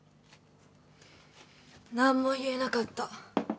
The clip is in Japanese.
何も言えなかった。